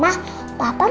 mama juga belum pulang